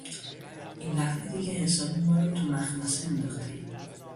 این دفعه دیگه حسابی مارو تو مخمصه انداختهای!